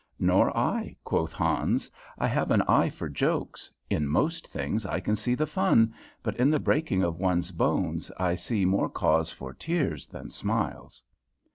"Nor I," quoth Hans. "I have an eye for jokes. In most things I can see the fun, but in the breaking of one's bones I see more cause for tears than smiles."